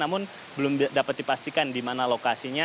namun belum dapat dipastikan di mana lokasinya